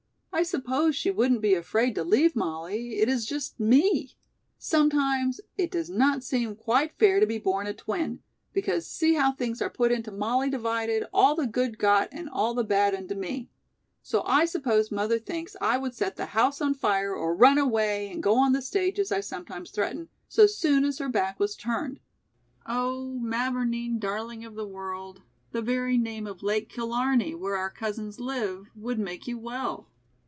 I suppose she wouldn't be afraid to leave Mollie, it is just me! Sometimes it does not seem quite fair to be born a twin, because see how things are put into Mollie divided, all the good got and all the bad into me; so I suppose mother thinks I would set the house on fire or run away and go on the stage as I sometimes threaten, so soon as her back was turned. Oh, Mavourneen darling of the world, the very name of Lake Killarney, where our cousins live, would make you well."